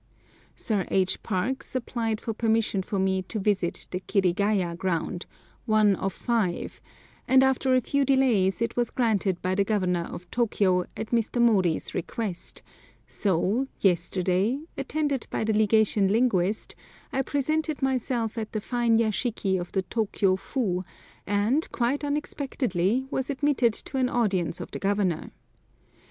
Sir H. Parkes applied for permission for me to visit the Kirigaya ground, one of five, and after a few delays it was granted by the Governor of Tôkiyô at Mr. Mori's request, so yesterday, attended by the Legation linguist, I presented myself at the fine yashiki of the Tôkiyô Fu, and quite unexpectedly was admitted to an audience of the Governor.